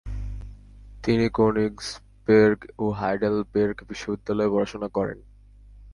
তিনি ক্যোনিগসবের্গ ও হাইডেলবের্গ বিশ্ববিদ্যালয়ে পড়াশোনা করেন।